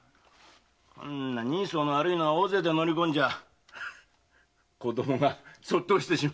こんな人相の悪いのが大勢で乗り込んじゃ子供が卒倒するよ。